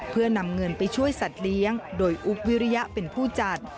เพื่อนำเงินไปช่วยสัตว์เลี้ยงโดยอุ๊บวิริยะเป็นผู้จัด